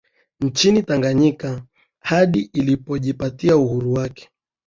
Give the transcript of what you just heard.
Nchini Tanganyika hadi ilipojipatia uhuru wake